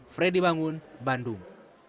freddy bangun bandung